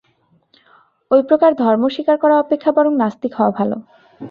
ঐ প্রকার ধর্ম স্বীকার করা অপেক্ষা বরং নাস্তিক হওয়া ভাল।